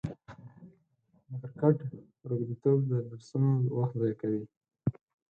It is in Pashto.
د کرکټ روږديتوب د درسونو وخت ضايع کوي.